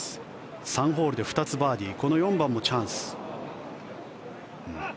３ホールで２つバーディーこの４番もチャンス。